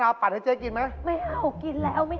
ก็ฉันด่าพวกเธอจนเสียงฉันแหบเป็นอย่างนี้ไม่พอแล้วเนี่ย